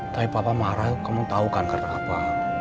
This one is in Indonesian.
tapi papa marah kamu tahu kan karena apa